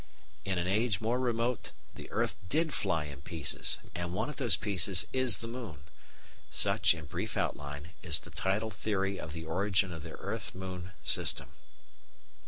In an age more remote the earth did fly in pieces, and one of those pieces is the moon. Such, in brief outline, is the tidal theory of the origin of the earth moon system.